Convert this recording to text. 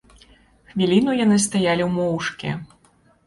Хвіліну яны стаялі моўчкі.